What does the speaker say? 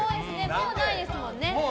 もうないですもんね。